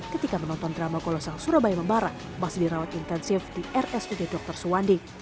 ketika menonton drama kolosal surabaya membara masih dirawat intensif di rsud dr suwandi